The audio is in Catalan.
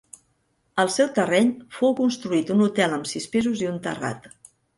Al seu terreny fou construït un hotel amb sis pisos i un terrat.